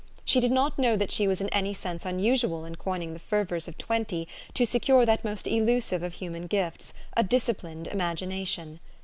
She did not know that she was in any sense unusual in coining the fervors of twenty to secure that most elusive of human gifts, a dis ciplined imagination.